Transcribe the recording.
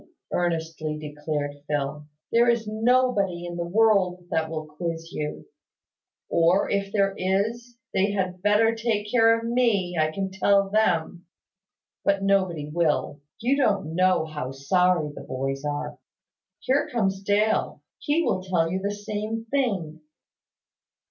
earnestly declared Phil. "There is nobody in the world that will quiz you; or, if there is, they had better take care of me, I can tell them. But nobody will. You don't know how sorry the boys are. Here comes Dale. He will tell you the same thing."